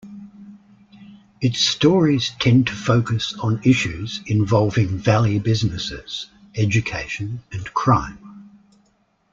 Its stories tend to focus on issues involving valley businesses, education, and crime.